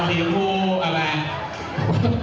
สีฟู้เอาไง